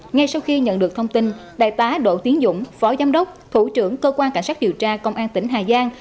ngay sau khi nhận được thông tin đại tá đỗ tiến dũng phó giám đốc thủ trưởng cơ quan cảnh sát điều tra công an tỉnh hà giang